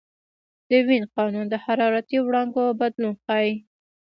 د وین قانون د حرارتي وړانګو بدلون ښيي.